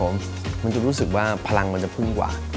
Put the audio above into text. มันจะพึ่งกว่า